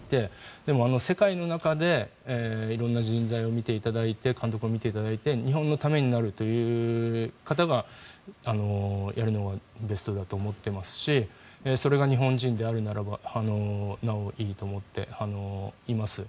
でも世界の中で色んな人材を見ていただいて監督を見ていただいて日本のためになるという方がやるのがベストだと思っていますしそれが日本人であるならばなおいいと思っています。